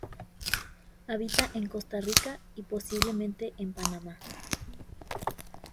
Habita en Costa Rica y posiblemente en Panamá.